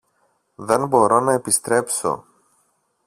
Δεν μπορώ να επιστρέψω.